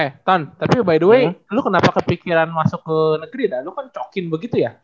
eh ton tapi by the way lu kenapa kepikiran masuk ke negeri dan lo kan cokin begitu ya